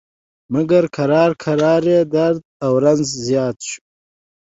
مګر کرار کرار یې درد او رنځ زیات شو.